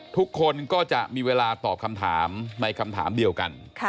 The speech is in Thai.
ทุกคนก็จะมีเวลาตอบคำถามในคำถามเดียวกัน